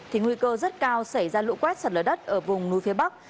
thì nguy cơ rất cao xảy ra lũ quét sạt lở đất ở vùng núi phía bắc